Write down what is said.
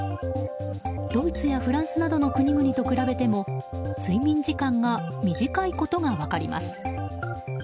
ドイツやフランスなどの国々と比べても睡眠時間が短いことが分かります。